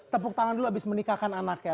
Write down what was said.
tepuk tangan dulu abis menikahkan anaknya